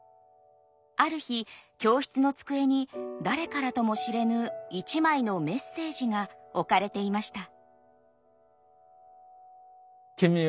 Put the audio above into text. ある日教室の机に誰からとも知れぬ一枚のメッセージが置かれていました。